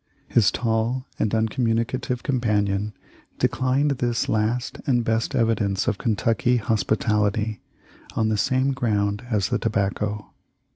His tall and uncommunicative companion declined this last and best evidence of Kentucky hospitality on the same ground as the tobacco.